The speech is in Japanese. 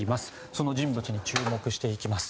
その人物に注目していきます。